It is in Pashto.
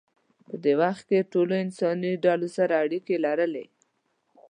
په دې وخت کې ټولو انساني ډلو سره اړیکې لرلې.